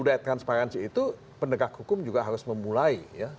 budaya transparansi itu pendegak hukum juga harus memulai ya